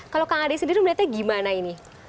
kalau kang ade sendiri melihatnya gimana ini